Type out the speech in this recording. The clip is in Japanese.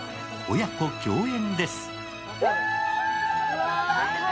親子共演です。